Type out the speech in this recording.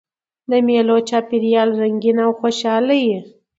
د مېلو چاپېریال رنګین او خوشحاله يي.